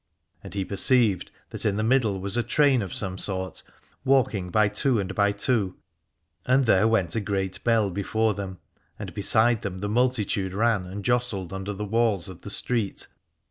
And he perceived that in the middle was a train of some sort, walking by two and by two, and there went a great bell before them, and beside them the multitude ran and jostled under the walls of the street.